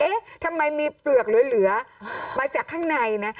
เอ๊ะทำไมมีเปลือกเหลือมาจากข้างในนะ